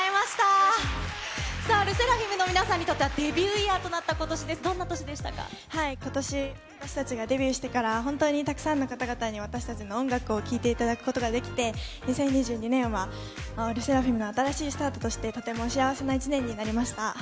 さあ、ＬＥＳＳＥＲＡＦＩＭの皆さんにとっては、デビューイヤーとなったこことし、私たちがデビューしてから本当にたくさんの方々に、私たちの音楽を聴いていただくことができて、２０２２年はＬＥＳＳＥＲＡＦＩＭの新しいスタートとして、とても幸せな一年になりました。